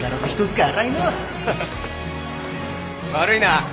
悪いな。